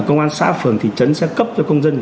công an xã phường thị trấn sẽ cấp cho công dân